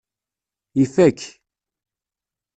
Ifak.